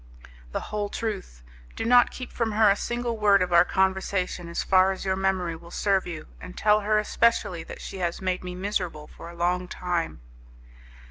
"The whole truth. Do not keep from her a single word of our conversation, as far as your memory will serve you, and tell her especially that she has made me miserable for a long time."